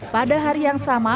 pada hari yang sama